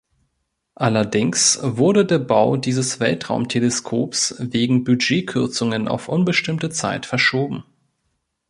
Allerdings wurde der Bau dieses Weltraumteleskops wegen Budgetkürzungen auf unbestimmte Zeit verschoben.